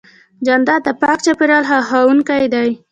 جانداد د پاک چاپېریال خوښوونکی دی.